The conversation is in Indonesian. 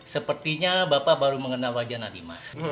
sepertinya bapak baru mengenal wajah nadimas